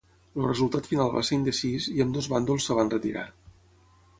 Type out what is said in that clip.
El resultat final va ser indecís, i ambdós bàndols es van retirar.